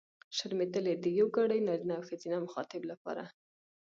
شرمېدلې! د یوګړي نرينه او ښځينه مخاطب لپاره.